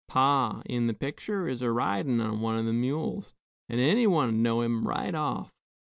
Pa, in the picter, is a ridin' o' one o' the mules, an' any one'd know him right off."